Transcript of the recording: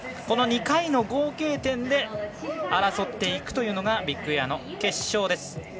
この２回の合計点で争っていくというのがビッグエアの決勝です。